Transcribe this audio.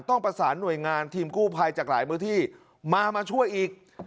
ต้องประสานหน่วยงานทีมกู้ภัยจากหลายมือที่มามาช่วยอีก